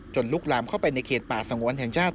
ลุกลามเข้าไปในเขตป่าสงวนแห่งชาติ